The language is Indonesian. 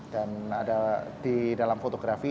dan ada di dalam fotografi